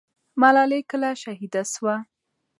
ملالۍ کله شهیده سوه؟